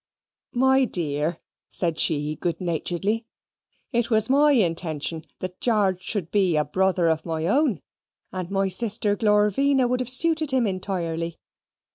"My dear," said she, good naturedly, "it was my intention that Garge should be a brother of my own, and my sister Glorvina would have suited him entirely.